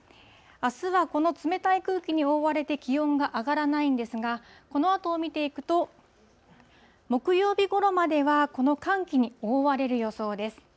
あすはこの冷たい空気に覆われて気温が上がらないんですが、このあとを見ていくと、木曜日ごろまではこの寒気に覆われる予想です。